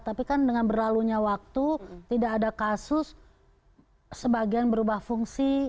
tapi kan dengan berlalunya waktu tidak ada kasus sebagian berubah fungsi